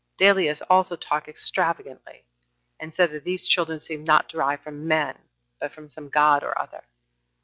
Dellius also talked extravagantly, and said that these children seemed not derived from men, but from some god or other.